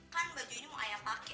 kan baju ini mau kayak pakai